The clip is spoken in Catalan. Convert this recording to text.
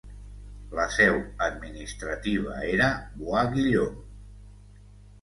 La seu administrativa era Bois-Guillaume.